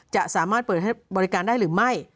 จะสามารถเปิดให้บริการได้หรือไม่